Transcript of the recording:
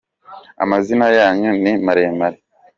Amazina yanyu ni maremare.